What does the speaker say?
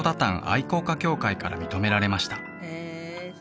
愛好家協会から認められました